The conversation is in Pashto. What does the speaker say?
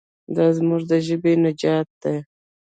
دا زموږ د ژبې نجات دی.